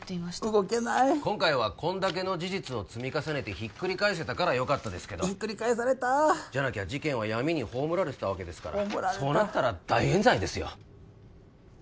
動けない今回はこんだけの事実を積み重ねてひっくり返せたからよかったですけどひっくり返されたじゃなきゃ事件は闇に葬られてた葬られたそうなったら大えん罪ですよ